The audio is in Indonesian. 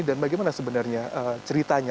dan bagaimana sebenarnya ceritanya